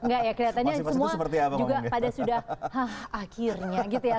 gak ya kelihatannya semua pada sudah haa akhirnya gitu ya